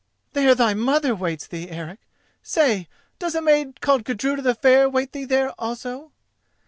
"'There thy mother waits thee,' Eric?—say, does a maid called Gudruda the Fair wait thee there also?"